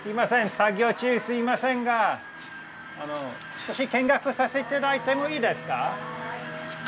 作業中すみませんが少し見学させて頂いてもいいですか？